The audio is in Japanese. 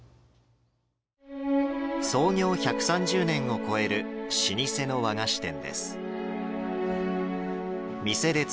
創業１３０年を超える老舗の和菓子店です。